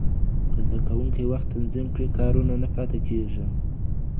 که زده کوونکي وخت تنظیم کړي، کارونه نه پاته کېږي.